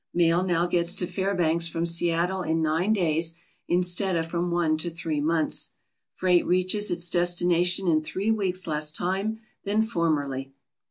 Mail now gets to Fairbanks from Seattle in nine days instead of from one to three months. Freight reaches its destination in three weeks' less time than formerly.